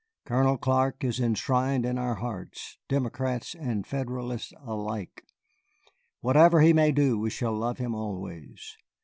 Colonel Clark is enshrined in our hearts, Democrats and Federalists alike. Whatever he may do, we shall love him always.